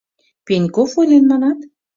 — Пеньков ойлен, манат?